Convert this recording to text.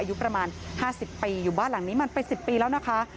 อายุประมาณ๕๐ปีอยู่บ้านหลังนี้มันเป็น๑๐ปีแล้วนะคะ